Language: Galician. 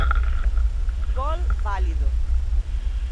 Gol válido.